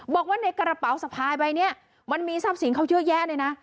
บอกว่าในกระเป๋าสะพายใบนี้มันมีทรัพย์สินเขาเยอะแยะเลยนะ